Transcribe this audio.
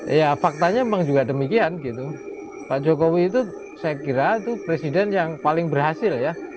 ya faktanya memang juga demikian gitu pak jokowi itu saya kira itu presiden yang paling berhasil ya